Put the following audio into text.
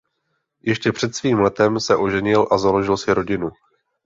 Ještě před svým letem se oženil a založil si rodinu.